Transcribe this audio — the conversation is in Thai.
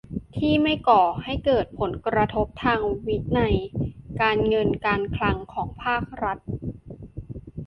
ที่ไม่ก่อให้เกิดผลกระทบทางวินัยการเงินการคลังของภาครัฐ